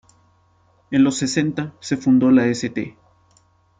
En los sesenta se fundó la St.